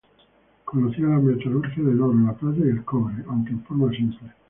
Conocían la metalurgia del oro, la plata y el cobre, aunque en forma simple.